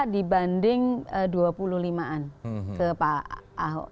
tiga puluh tiga dibanding dua puluh lima an ke pak ahok